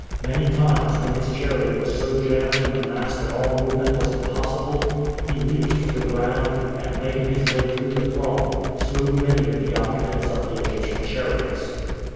Many times, when his chariot was so jammed in the mass that all movement was impossible, he leaped to the ground, and, making his way through the throng, slew many of the occupants of the Egyptian chariots.